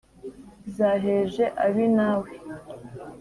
Zaheje ab’i Nawe